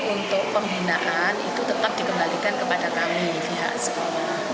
untuk pembinaan itu tetap dikembalikan kepada kami pihak sekolah